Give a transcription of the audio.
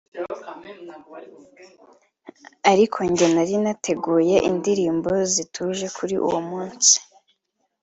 ariko njye nari nateguye indirimbo zituje kuri uwo munsi